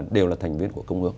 đều là thành viên